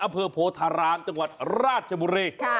โพธารามจังหวัดราชบุรี